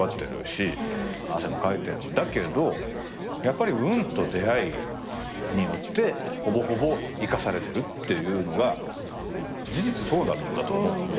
汗もかいてんだけどやっぱり運と出会いによってほぼほぼ生かされてるっていうのが事実そうなんだと思うんですよね。